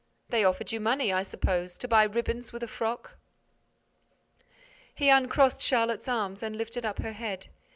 They offered you money, I suppose—to buy ribbons with a frock—?" He uncrossed Charlotte's arms and lifted up her head.